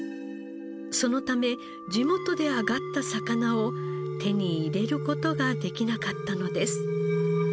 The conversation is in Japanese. そのため地元で揚がった魚を手に入れる事ができなかったのです。